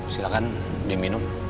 silahkan di minum